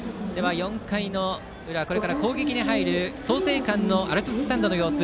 ４回の裏、これから攻撃に入る創成館のアルプススタンドの様子